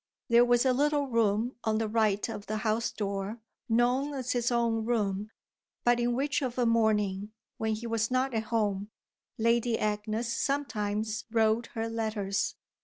There was a little room on the right of the house door known as his own room; but in which of a morning, when he was not at home, Lady Agnes sometimes wrote her letters.